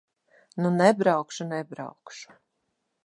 Nu, nebraukšu, nebraukšu.